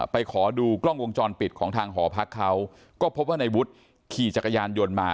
ขอดูกล้องวงจรปิดของทางหอพักเขาก็พบว่าในวุฒิขี่จักรยานยนต์มา